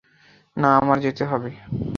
না, আমার যেতে হবে।